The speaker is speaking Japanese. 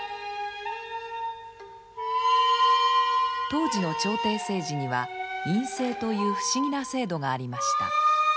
当時の朝廷政治には「院政」という不思議な制度がありました。